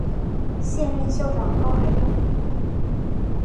现任校长高海燕。